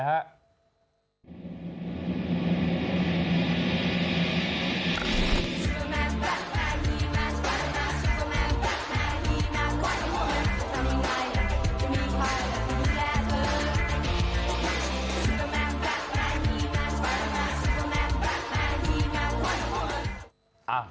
น้ำเงินครับ